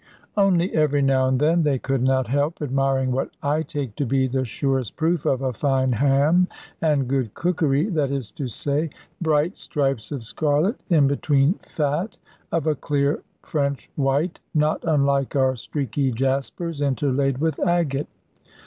Only every now and then they could not help admiring what I take to be the surest proof of a fine ham and good cookery; that is to say, bright stripes of scarlet in between fat of a clear French white, not unlike our streaky jaspers interlaid with agate.